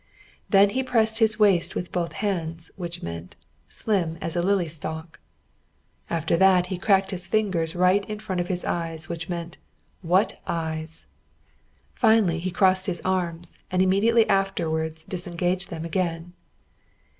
Then he pressed his waist with both hands, which meant "slim as a lily stalk." After that he cracked his fingers right in front of his eyes, which meant "What eyes!" Finally he crossed his arms, and immediately afterwards disengaged them again.